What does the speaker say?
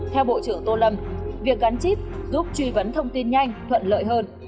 theo bộ trưởng tô lâm việc gắn chip giúp truy vấn thông tin nhanh thuận lợi hơn